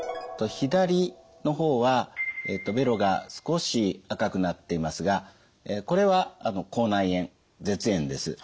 左の方はべろが少し赤くなっていますがこれは口内炎舌炎です。